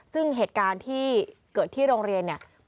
ซึ่งเหตุการณ์ที่เกิดที่โรงเรียนเนี่ย